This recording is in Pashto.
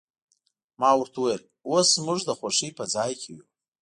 ما ورته وویل، اوس زموږ د خوښۍ په ځای کې یو.